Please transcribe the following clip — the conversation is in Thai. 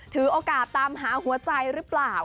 ถือโอกาสตามหาหัวใจหรือเปล่า